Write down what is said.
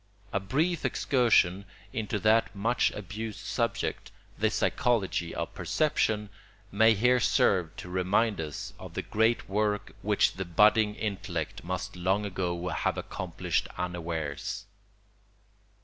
A brief excursion into that much abused subject, the psychology of perception, may here serve to remind us of the great work which the budding intellect must long ago have accomplished unawares.